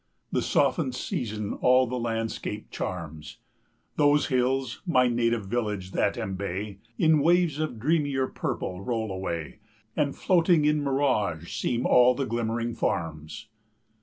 The softened season all the landscape charms; Those hills, my native village that embay, In waves of dreamier purple roll away, 20 And floating in mirage seem all the glimmering farms.